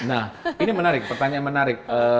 nah ini menarik pertanyaan menarik